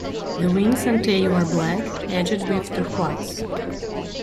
The wings and tail are black, edged with turquoise.